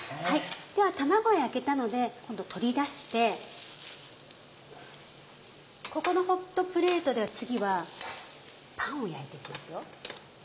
では卵焼けたので今度取り出してここのホットプレートでは次はパンを焼いて行きますよ。